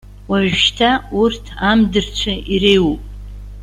Уажәшьҭа урҭ амдырцәа иреиуоуп.